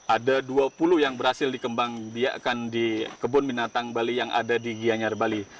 ada dua puluh yang berhasil dikembangkan di kebun binatang bali yang ada di gianyar bali